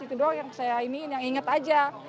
itu doang yang saya ingin yang inget aja